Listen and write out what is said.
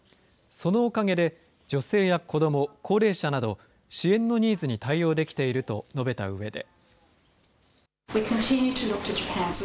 そのおかげで女性や子ども、高齢者など支援のニーズに対応できていると述べたうえで。